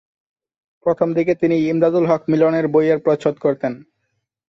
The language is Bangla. প্রথম দিকে তিনি ইমদাদুল হক মিলনের বইয়ের প্রচ্ছদ করতেন।